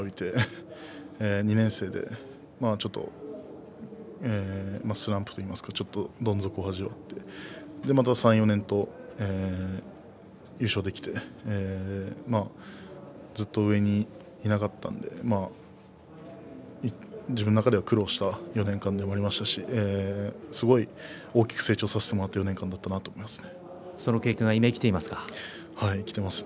１年生で光を浴びて２年生でどん底を味わって３、４年と優勝できてずっと上に、いけなかったので自分の中では苦労した４年間でもありましたしすごい大きく成長させてもらった４年間だと思います。